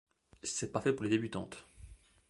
c'est pas fait pour les débutantes.